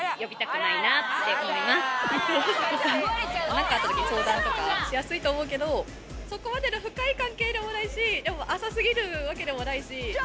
なんかあったときに相談とかしやすいと思うけど、そこまでの深い関係ではないし、でも、浅すぎるわけでもないし。